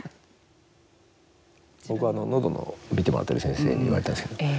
僕、のどの診てもらってる先生に言われたんですけど